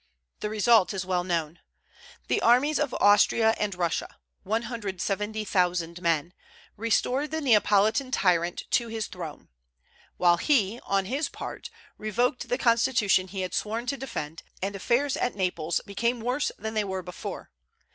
The result is well known. The armies of Austria and Russia 170,000 men restored the Neapolitan tyrant to his throne; while he, on his part, revoked the constitution he had sworn to defend, and affairs at Naples became worse than they were before.